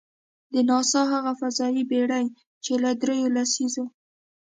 د ناسا هغه فضايي بېړۍ، چې له درېیو لسیزو .